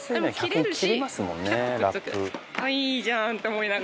いいじゃん！って思いながら使います。